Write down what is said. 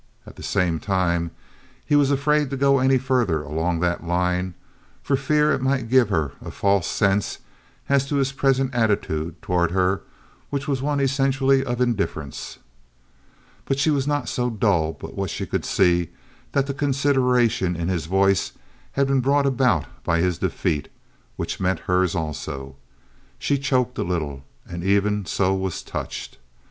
At the same time he was afraid to go any further along that line, for fear it might give her a false sense as to his present attitude toward her which was one essentially of indifference. But she was not so dull but what she could see that the consideration in his voice had been brought about by his defeat, which meant hers also. She choked a little—and even so was touched.